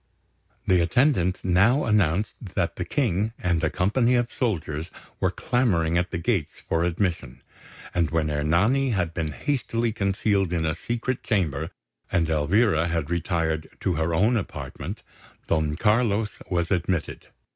The attendants now announced that the King and a company of soldiers were clamouring at the gates for admission; and when Ernani had been hastily concealed in a secret chamber, and Elvira had retired to her own apartment, Don Carlos was admitted.